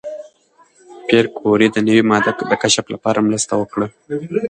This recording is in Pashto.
پېیر کوري د نوې ماده د کشف لپاره مرسته وکړه.